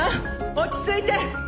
落ち着いて！